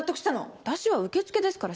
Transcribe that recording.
わたしは受付ですから。